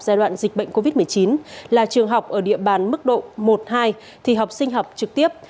giai đoạn dịch bệnh covid một mươi chín là trường học ở địa bàn mức độ một hai thì học sinh học trực tiếp